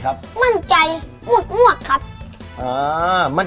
หาร้องหน่อย